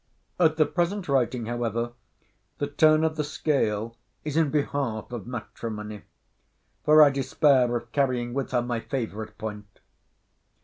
— At the present writing, however, the turn of the scale is in behalf of matrimony—for I despair of carrying with her my favourite point.